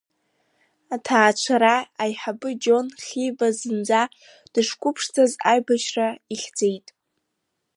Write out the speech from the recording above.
Аҭаацәара аиҳабы Џьон Хьиба зынӡа дышқәыԥшӡаз аибашьра ихьӡеит.